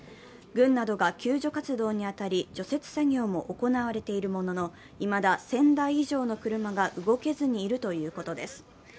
軍などが救助活動に当たり除雪作業も行われているものの、いまだ１０００台以上の車が動けずにいるということです。